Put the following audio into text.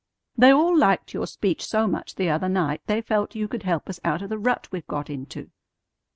"They all liked your speech so much the other night they felt you could help us out of the rut we've got into."